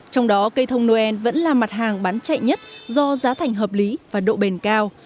trong đó cây thông noel vẫn là mặt hàng bán chạy nhất do giá thành hợp lý và độ bền cao